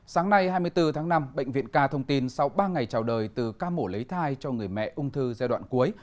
sáng nay hai mươi bốn tháng năm bệnh viện k thông tin sau ba ngày trào đời từ ca mổ lấy thai cho người mẹ ung thư giai đoạn cuối